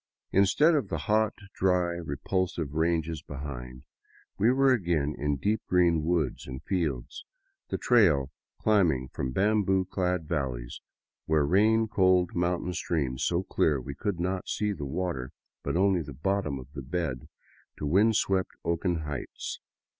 Instead of the hot, dry, re pulsive ranges behind, we were again in deep green woods and fields, the trail climbing from bamboo clad valleys where ran cold mountain streams so clear we could not see the water, but only the bottom of the bed, to wind swept oaken heights.